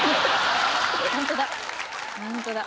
ホントだホントだ。